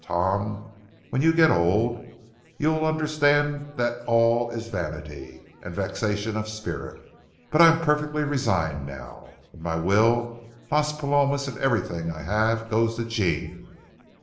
Tom, when you get old, you'll understand that all is vanity and vexation of spirit. But I am perfectly resigned now. In my will, Las Palomas and everything I have goes to Jean.